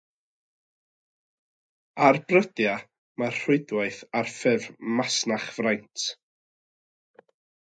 Ar brydiau, mae'r rhwydwaith ar ffurf masnachfraint.